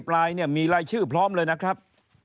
ปลายเนี่ยมีรายชื่อพร้อมเลยนะครับ